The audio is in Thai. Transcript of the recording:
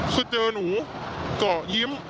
คือเจอหนูเดี๋ยวก็ยิ้ม